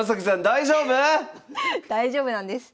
大丈夫⁉大丈夫なんです。